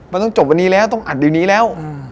มันต้องจบวันนี้แล้วต้องอัดเดี๋ยวนี้แล้ว